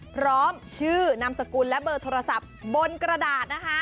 พร้อมชื่อนามสกุลและเบอร์โทรศัพท์บนกระดาษนะคะ